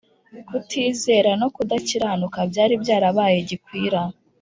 , kutizera, no kudakiranuka byari byarabaye gikwira.